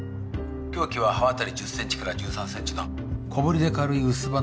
凶器は刃渡り１０ｃｍから１３ｃｍの小ぶりで軽い薄刃の刃物。